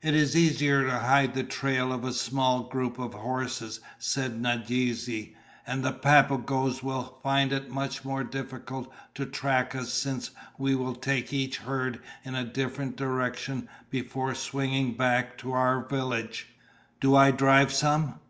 "It is easier to hide the trail of a small group of horses," said Nadeze. "And the Papagoes will find it much more difficult to track us since we will take each herd in a different direction before swinging back to our village." "Do I drive some?"